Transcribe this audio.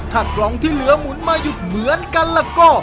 ถ้ากล่องที่เหลือหมุนมาหยุดเหมือนกันแล้วก็